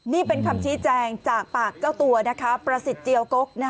นี่เป็นคำชี้แจงจากปากเจ้าตัวประสิทธิ์เจียวกก